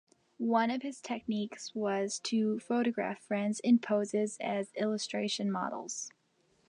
One of his techniques was to photograph friends in poses as illustration models.